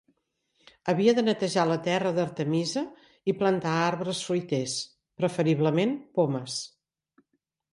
Havia de netejar la terra d'artemisa i plantar arbres fruiters, preferiblement pomes.